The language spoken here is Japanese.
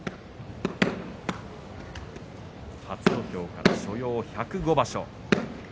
初土俵から所要１０５場所。